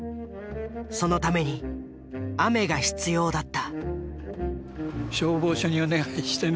そのために雨が必要だった。